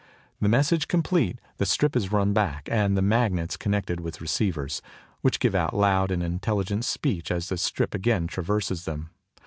The message complete, the strip is run back, and the magnets connected with receivers, which give out loud and intelligent speech as the strip again traverses them.